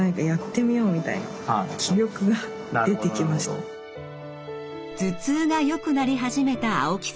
更に自宅では頭痛がよくなり始めた青木さん。